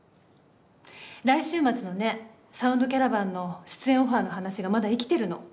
来週末のね「サウンドキャラバン」の出演オファーの話がまだ生きてるの。